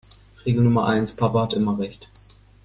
Regel Nummer eins: Papa hat immer Recht.